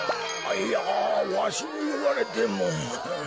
いやわしにいわれても。